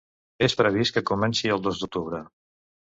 És previst que comenci el dos d’octubre.